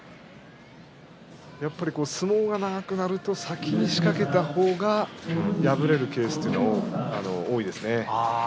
やはり相撲が長くなると先に仕掛けた方が敗れるケースが多いですね。